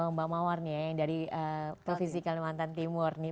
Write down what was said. mbak mawar nih ya yang dari provinsi kalimantan timur nih